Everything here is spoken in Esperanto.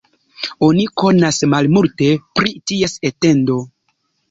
Oni konas malmulte pri ties etendo.